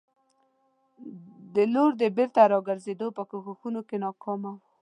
د لور د بېرته راګرزېدو په کوښښونو کې ناکامه وو.